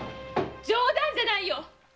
冗談じゃないよ！